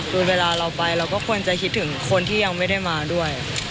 คือเวลาเราไปเราก็ควรจะคิดถึงคนที่ยังไม่ได้มาด้วย